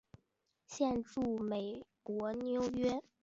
现住美国纽约。